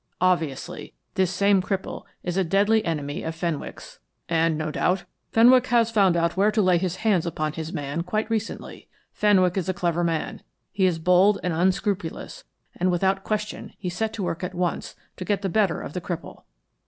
Obviously, this same cripple is a deadly enemy of Fenwick's. And, no doubt, Fenwick has found out where to lay his hands upon his man quite recently. Fenwick is a clever man, he is bold and unscrupulous, and without question he set to work at once to get the better of the cripple.